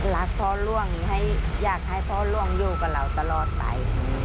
รักพ่อล่วงอยากให้พ่อล่วงอยู่กับเราตลอดไป